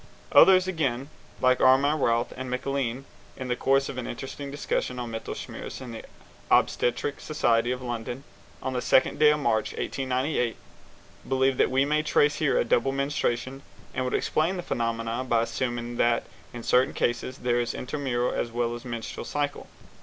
Others again, like Armand Routh and MacLean, in the course of an interesting discussion on Mittelschmerz at the Obstetric Society of London, on the second day of March, 1898, believe that we may trace here a double menstruation, and would explain the phenomenon by assuming that in certain cases there is an intermenstrual as well as a menstrual cycle.